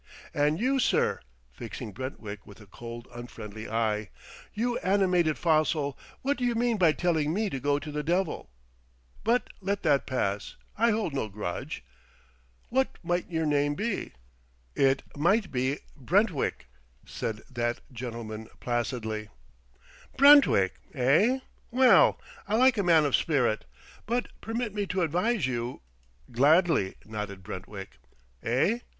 And you, sir!" fixing Brentwick with a cold unfriendly eye. "You animated fossil, what d'you mean by telling me to go to the devil?... But let that pass; I hold no grudge. What might your name be?" [Illustration: "Good evening, all!" he saluted them blandly.] "It might be Brentwick," said that gentleman placidly. "Brentwick, eh? Well, I like a man of spirit. But permit me to advise you " "Gladly," nodded Brentwick. "Eh?...